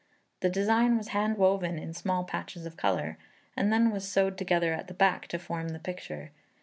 The design was handwoven in small patches of colour, and then was sewed together at the back to form the picture.